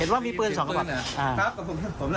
เห็นว่ามีพื้นสองกระบอก